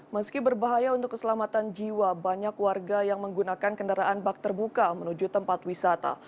meski berbahaya untuk keselamatan jiwa banyak warga yang menggunakan kendaraan bak terbuka menuju tempat wisata